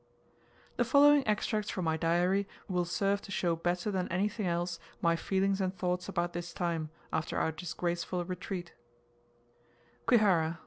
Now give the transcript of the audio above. The following extracts from my Diary will serve to show better than anything else, my feelings and thoughts about this time, after our disgraceful retreat: Kwihara.